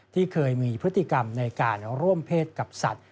ที่เคยมีพฤติกรรมในการร่วมเพศกับสัตว